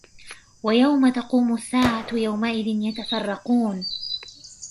وَيَوْمَ تَقُومُ السَّاعَةُ يَوْمَئِذٍ يَتَفَرَّقُونَ